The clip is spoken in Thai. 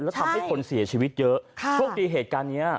แล้วทำให้คนเสียชีวิตเยอะโชคดีเหตุการณ์เนี้ย